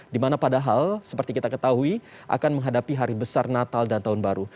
dimana padahal seperti kita ketahui akan menghadapi hari besar natal dan tahun baru